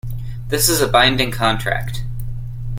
This is a binding contract.